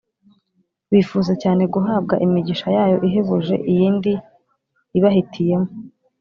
Bifuza cyane guhabwa imigisha yayo ihebuje iyindi ibahitiyemo.